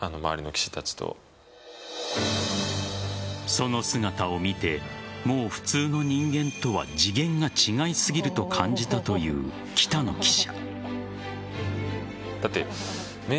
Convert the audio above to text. その姿を見てもう普通の人間とは次元が違いすぎると感じたという北野記者。